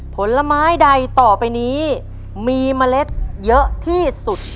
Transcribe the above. ผลไม้ใดต่อไปนี้มีเมล็ดเยอะที่สุด